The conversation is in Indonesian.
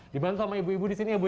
dibantu sama ibu ibu di sini ya bu